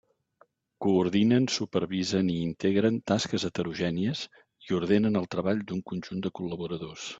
Coordinen, supervisen i integren tasques heterogènies i ordenen el treball d'un conjunt de col·laboradors.